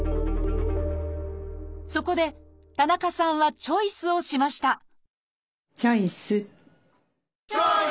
そこで田中さんはチョイスをしましたチョイス！